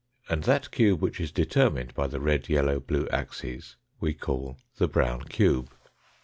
And that cube which is determined by the red, yellow, blue axes we call the brown cube.